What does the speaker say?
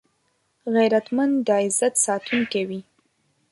غیرتمند د عزت ساتونکی وي